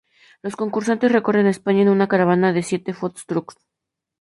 Los concursantes recorren España en una caravana de siete "Food trucks".